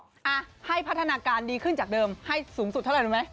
อ่ะให้พัฒนาการดีขึ้นจากเดิมให้สูงสุดเท่าไหร่รู้ไหม